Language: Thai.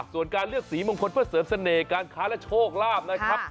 ส่วนการเลือกสีมงคลเพื่อเสริมเสน่ห์การค้าและโชคลาภนะครับ